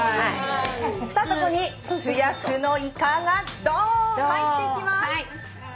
そこに主役のイカがドーンと入っていきます。